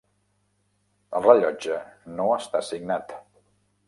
El rellotge no està signat.